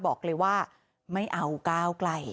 บอกเลยว่าไม่เอาก้าวไกล